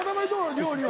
料理は。